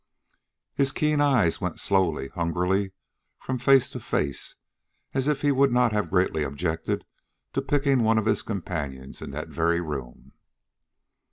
His keen eyes went slowly, hungrily, from face to face, as if he would not have greatly objected to picking one of his companions in that very room.